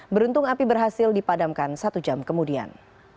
beruntung api berhasil dipadamkan satu jam kemudian